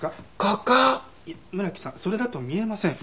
村木さんそれだと見えません。